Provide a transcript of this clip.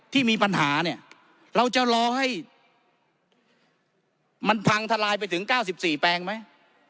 ที่มีปัญหาเนี่ยเราจะรอให้มันพังทลายไปถึง๙๔แปลงไหม